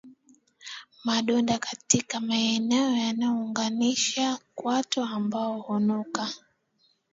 Madonda katika maeneo yanayounganisha kwato ambayo hunuka